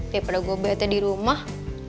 ya pada gue bete di rumah